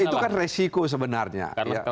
itu kan resiko sebenarnya